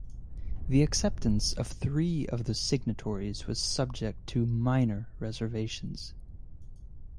The acceptance of three of the signatories was subject to minor reservations.